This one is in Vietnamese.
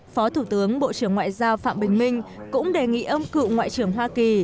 phó thủ tướng bộ trưởng ngoại giao phạm bình minh cũng đề nghị ông cựu ngoại trưởng hoa kỳ